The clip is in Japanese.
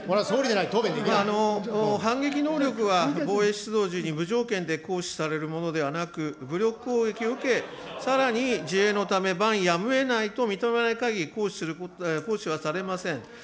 反撃能力は、防衛出動時に無条件で行使されるものではなく、武力攻撃を受け、さらに自衛のため、ばんやむをえないと認めないかぎり行使はされません。